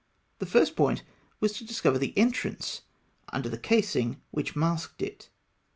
The first point was to discover the entrance under the casing, which masked it.